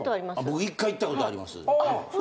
僕１回行ったことあります。